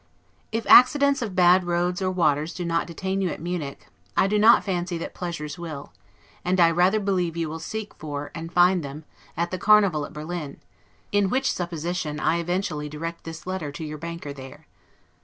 If accidents of bad roads or waters do not detain you at Munich, I do not fancy that pleasures will: and I rather believe you will seek for, and find them, at the Carnival at Berlin; in which supposition, I eventually direct this letter to your banker there.